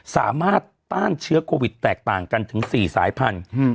ต้านเชื้อโควิดแตกต่างกันถึง๔สายพันธุ์